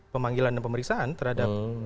pemanggilan dan pemeriksaan terhadap